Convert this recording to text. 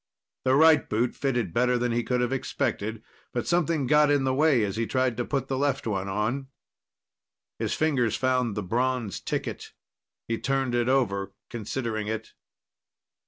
The right boot fitted better than he could have expected, but something got in the way as he tried to put the left one on. His fingers found the bronze ticket. He turned it over, considering it.